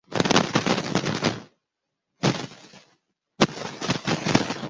yaba ari n’ihembe bamutumye nkaba ndabimenye ngahita nkoresha irindi hembe nkabishika nkabikurayo